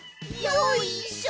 よいしょ！